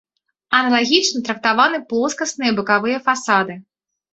Аналагічна трактаваны плоскасныя бакавыя фасады.